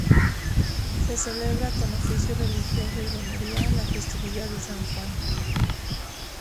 Se celebra con oficio religioso y romería la festividad de San Juan.